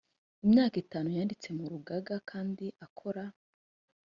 imyaka itanu yanditse mu rugaga kandi akora